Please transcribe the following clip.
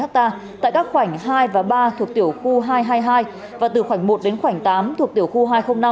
tại các khoảnh hai và ba thuộc tiểu khu hai trăm hai mươi hai và từ khoảnh một đến khoảnh tám thuộc tiểu khu hai trăm linh năm